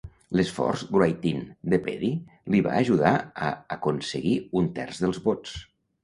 L'esforç write-in de Peddy li va ajudar a aconseguir un terç dels vots.